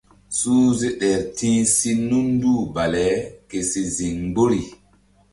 Suhze ɗer ti̧h si nunduh bale ke si ziŋ mgbori.